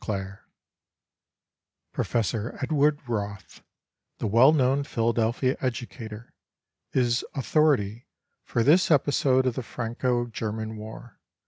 CLAIRE. Professor Edward Roth, the well known Philadelphia educator, is authority for this episode of the Franco German war.